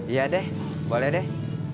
iya deh boleh deh